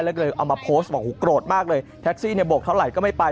แล้วก็เอามาโพสต์บอกหูโกรธมากเลยแท็กซี่เนี่ยโบกเท่าไหร่ก็ไม่ไป